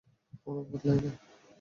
আমরা বদলাই না।